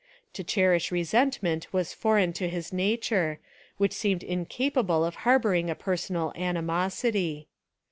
To cherish resentment was foreign to his nature, which seemed inca pable of harbouring a personal animosity.